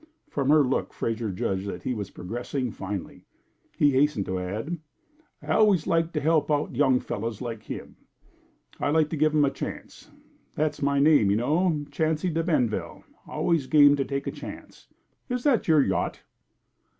From her look Fraser judged that he was progressing finely. He hastened to add: "I always like to help out young fellows like him. I like to give 'em a chance. That's my name, you know, Chancy De Benville always game to take a chance. Is that your yacht?"